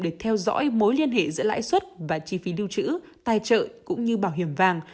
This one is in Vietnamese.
để theo dõi mối liên hệ giữa lãi suất và chi phí lưu trữ tài trợ cũng như bảo hiểm vàng